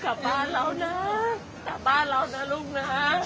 กลับบ้านเรานะกลับบ้านเรานะลูกนะ